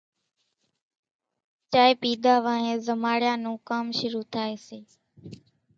چائيَ پيڌا وانۿين زماڙِيا نون ڪام شرُو ٿائيَ سي۔